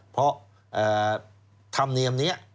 เพราะธรรมเนียมนี้